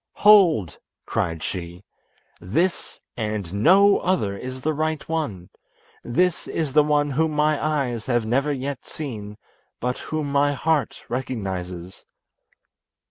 "Hold!" cried she. "This and no other is the right one; this is the one whom my eyes have never yet seen, but whom my heart recognises."